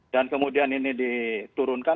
dan kemudian ini diturunkan